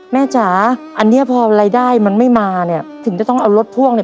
จ๋าอันเนี้ยพอรายได้มันไม่มาเนี่ยถึงจะต้องเอารถพ่วงเนี่ย